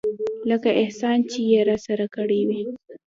لکه احسان چې يې راسره کړى وي.